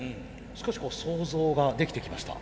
少しこう想像ができてきました。